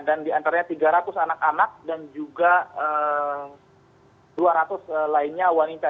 dan di antaranya tiga ratus anak anak dan juga dua ratus lainnya wanita